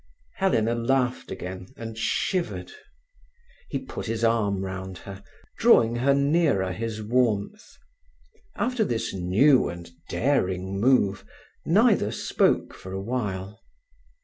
Helena laughed again, and shivered. He put his arm round her, drawing her nearer his warmth. After this new and daring move neither spoke for a while.